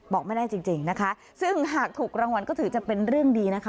บอกไม่ได้จริงนะคะซึ่งหากถูกรางวัลก็ถือจะเป็นเรื่องดีนะคะ